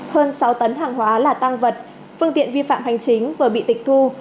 hơn sáu tấn hàng hóa là tăng vật phương tiện vi phạm hành chính vừa bị tịch thu